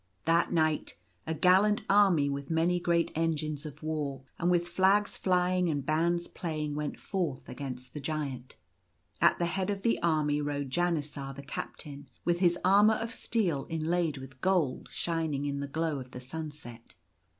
That night a gallant army, with many great engines of war and with flags flying and bands playing, went forth against the Giant. At the head of the army rode Janisar, the captain, with his armour of steel inlaid with gold shining in the glow of the sunset.